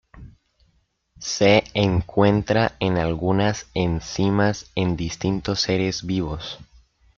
Se encuentra en algunas enzimas en distintos seres vivos.